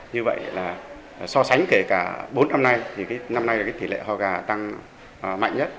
như vậy là so sánh kể cả bốn năm nay thì năm nay là cái tỷ lệ ho gà tăng mạnh nhất